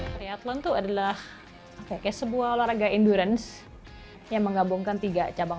triathlon tuh adalah oke sebuah olahraga endurance yang menggabungkan tiga cabang